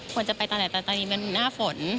ควรจะไปตอนไหนแต่ตอนนี้มันหน้าฝน